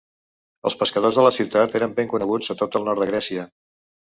Els pescadors de la ciutat eren ben coneguts a tot el nord de Grècia.